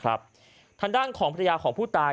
ทางด้านของภรรยาของผู้ตาย